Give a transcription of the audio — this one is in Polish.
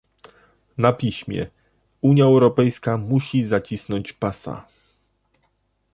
na piśmie - Unia Europejska musi zacisnąć pasa